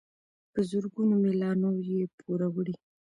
په زرګونو مي لا نور یې پوروړی